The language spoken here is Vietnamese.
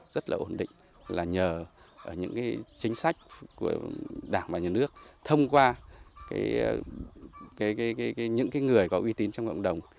rất là ổn định là nhờ những chính sách của đảng và nhà nước thông qua những người có uy tín trong cộng đồng